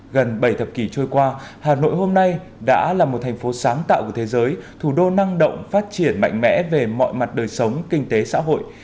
gần bảy thập kỷ trôi qua hà nội hôm nay đã là một thành phố sáng tạo của thế giới thủ đô năng động phát triển mạnh mẽ về mọi mặt đời sống kinh tế xã hội